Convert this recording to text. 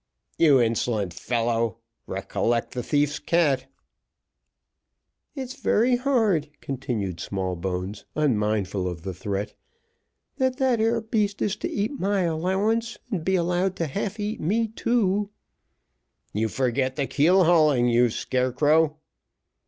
"You insolent fellow! recollect the thief's cat." "It's very hard," continued Smallbones, unmindful of the threat, "that that ere beast is to eat my allowance, and be allowed to half eat me too." "You forget the keel hauling, you scarecrow."